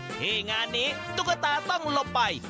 ที่งานนี้ตุ๊กตาต้องหลบไป